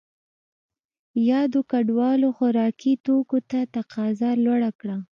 یادو کډوالو خوراکي توکو ته تقاضا لوړه کړه.